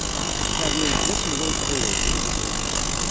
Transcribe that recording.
Fernen-t d aselway n tɣiwant.